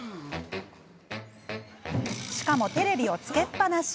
しかも、テレビをつけっぱなし。